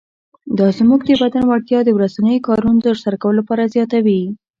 دا زموږ د بدن وړتیا د ورځنیو کارونو تر سره کولو لپاره زیاتوي.